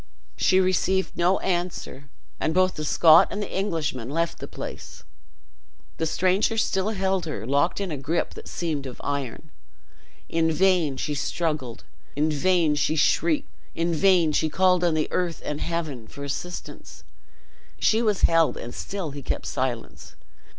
She received no answer, and both the Scot and the Englishman left the place. The stranger still held her locked in a gripe that seemed of iron. In vain she struggled, in vain she shrieked, in vain she called on earth and Heaven, for assistance; she was held, and still he kept silence.